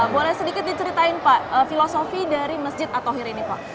boleh sedikit diceritain pak filosofi dari masjid at tohir ini pak